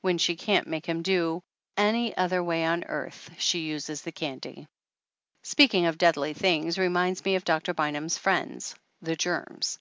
When she can't make him do any other way on earth she uses the candy. Speaking of deadly things reminds me of Doctor Bynum's friends, the germs.